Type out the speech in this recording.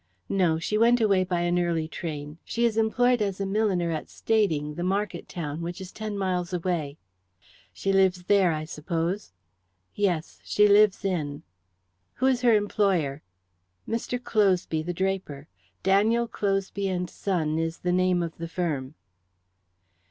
"No. She went away by an early train. She is employed as a milliner at Stading, the market town, which is ten miles away." "She lives there, I suppose?" "Yes. She lives in." "Who is her employer?" "Mr. Closeby, the draper. Daniel Closeby and Son is the name of the firm."